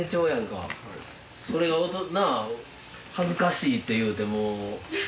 それがな恥ずかしいて言うてもう。